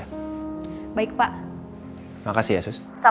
kalau ada apa apa hal sekecil apapun kabarin saya